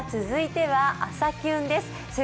続いては「朝キュン」です。